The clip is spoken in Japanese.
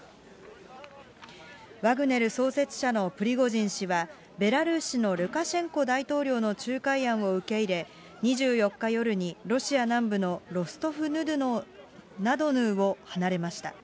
ワグネル創設者のプリゴジン氏は、ベラルーシのルカシェンコ大統領の仲介案を受け入れ、２４日夜にロシア南部のロストフナドヌーを離れました。